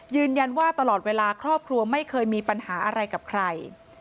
ตลอดเวลาครอบครัวไม่เคยมีปัญหาอะไรกับใคร